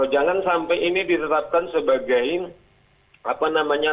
jangan sampai ini ditetapkan sebagai apa namanya